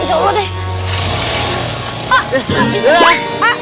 insya allah deh